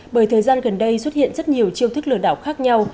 bởi thời gian gần đây xuất hiện rất nhiều chiêu thức lừa đảo khác nhau